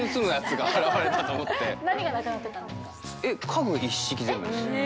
家具一式全部ですよ。